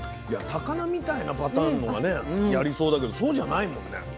高菜みたいなパターンのはねやりそうだけどそうじゃないもんね。